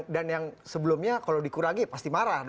dan yang sebelumnya kalau dikurangi pasti marah dong